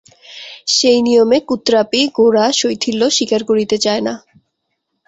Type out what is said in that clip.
সেই নিয়মে কুত্রাপি গোরা শৈথিল্য স্বীকার করিতে চায় না।